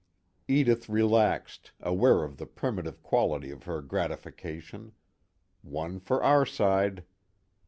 Edith relaxed, aware of the primitive quality of her gratification: one for our side.